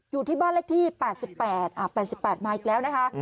อยู่ที่บ้านเลขที่๘๘มาอีกแล้วนะคะ